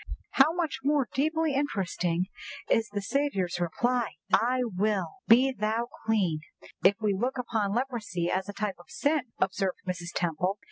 _'" "How much more deeply interesting is the Saviour's reply, 'I will, be thou clean,' if we look upon leprosy as a type of sin," observed Mrs. Temple.